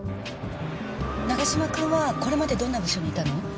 永嶋君はこれまでどんな部署にいたの？